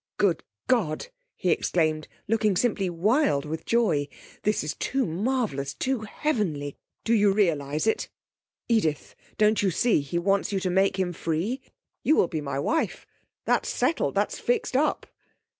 'Good God!' he exclaimed, looking simply wild with joy. 'This is too marvellous! too heavenly! Do you realise it? Edith, don't you see he wants you to make him free? You will be my wife that's settled that's fixed up.'